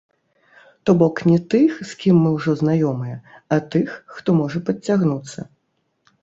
То бок не тых, з кім мы ўжо знаёмыя, а тых, хто можа падцягнуцца.